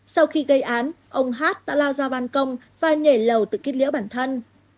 sau khi gây án ông hát đã lao ra bàn công và nhảy lầu từ kích lĩa bản thân